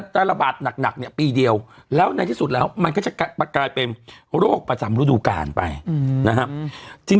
แต่ระบาดหนักเนี่ยปีเดียวแล้วในที่สุดแล้วมันก็จะกลายเป็นโรคประจำฤดูกาลไปนะครับ